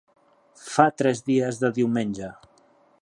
Fa tres dies de diumenge.